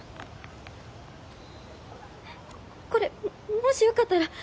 ここれもしよかったら！